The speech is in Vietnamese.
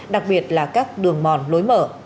đặc biệt là các đường mòn lối mở